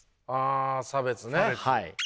あ差別ね。